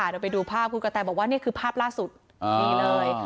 เดี๋ยวไปดูภาพคุณกระแตบอกว่านี่คือภาพล่าสุดนี่เลย